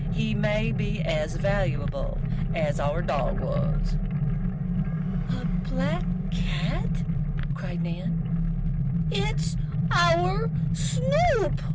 He may be as valuable as our dog was." "A black cat!" cried Nan. "It's our Snoop!"